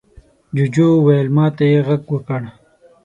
جوجو وويل: ما ته يې غږ وکړ.